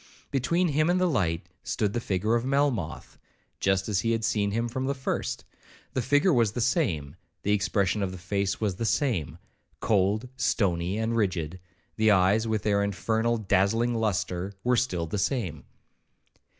Between him and the light stood the figure of Melmoth, just as he had seen him from the first; the figure was the same; the expression of the face was the same,—cold, stony, and rigid; the eyes, with their infernal and dazzling lustre, were still the same.